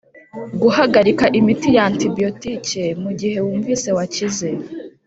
guhagarika imiti ya antibiyotike mu gihe wumvise wakize